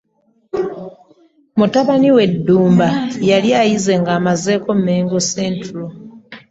Mutabani we Ddamba yali ayize ng’aamazeeko Mengo Central.